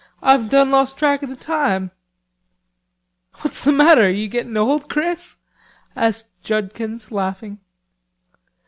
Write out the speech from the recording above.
Ah've done lost track o' the time...." "What's the matter; are you gettin' old, Chris?" asked Judkins laughing.